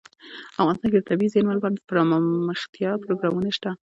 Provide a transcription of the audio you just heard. افغانستان کې د طبیعي زیرمې لپاره دپرمختیا پروګرامونه شته.